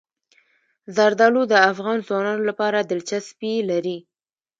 زردالو د افغان ځوانانو لپاره دلچسپي لري.